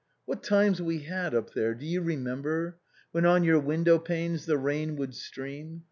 "What times we had, up there ; do you remember? "When on your window panes the rain would stream.